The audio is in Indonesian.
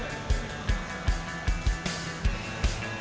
angkat jalan terbit